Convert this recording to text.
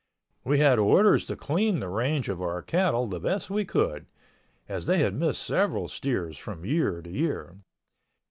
We had orders to clean the range of our cattle the best we could, as they had missed several steers from year to year.